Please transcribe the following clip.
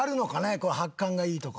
こう発汗がいいとか。